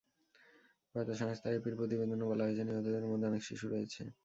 বার্তা সংস্থা এপির প্রতিবেদনে বলা হয়েছে, নিহতদের মধ্যে অনেক শিশু রয়েছে।